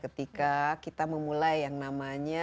ketika kita memulai yang namanya